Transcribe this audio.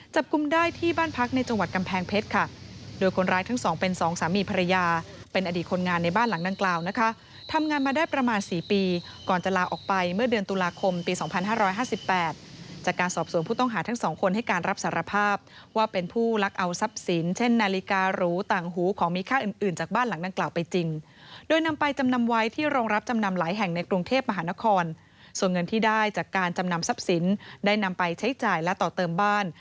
จับกลุ่มได้ที่บ้านพักในจังหวัดกำแพงเพชรค่ะโดยคนร้ายทั้ง๒เป็น๒สามีภรรยาเป็นอดีตคนงานในบ้านหลังดั่งกราวนะคะทำงานมาได้ประมาณสี่ปีก่อนจะลาออกไปเมื่อเดือนตุลาคมปี๒๕๕๘จากการสอบส่วนผู้ต้องหาทั้ง๒คนให้การรับสารภาพว่าเป็นผู้รักเอาทรัพย์สินเช่นนาฬิการูต่างหูของมีค่าอื่น